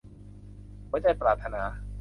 หัวใจปรารถนา